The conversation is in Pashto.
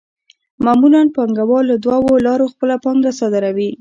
معمولاً پانګوال له دوو لارو خپله پانګه صادروي